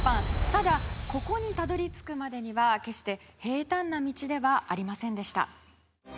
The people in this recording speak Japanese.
ただ、ここにたどり着くまでには決して平坦な道ではありませんでした。